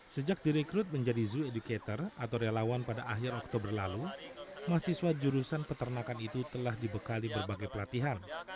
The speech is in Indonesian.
sejak direkrut menjadi zoo educator atau relawan pada akhir oktober lalu mahasiswa jurusan peternakan itu telah dibekali berbagai pelatihan